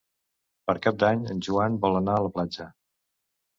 Per Cap d'Any en Joan vol anar a la platja.